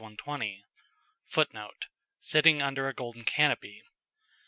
120), [Footnote: "Sitting under a golden canopy."